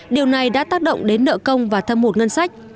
điều này đã tác động đến nợ công và thâm hụt ngân sách